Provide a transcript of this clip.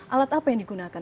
alat apa yang digunakan